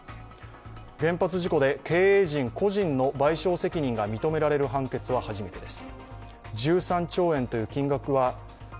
原発事故で経営陣個人の賠償責任が認められる判決は初めてです。